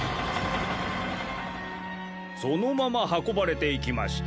そのままはこばれていきました。